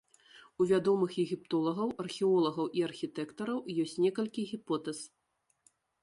У вядомых егіптолагаў, археолагаў і архітэктараў ёсць некалькі гіпотэз.